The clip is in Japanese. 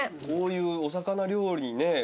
こういうお魚料理にね